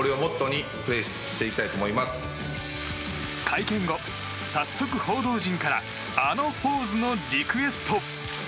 会見後、早速報道陣からあのポーズのリクエスト。